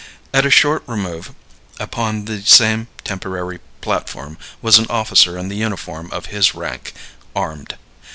At a short remove upon the same temporary platform was an officer in the uniform of his rank, armed.